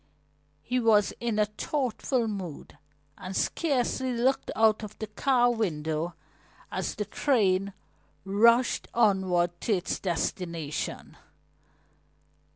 He was in a thoughtful mood and scarcely looked out of the car window as the train rushed onward to its destination.